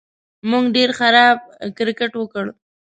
موږ ډېر خراب کرېکټ وکړ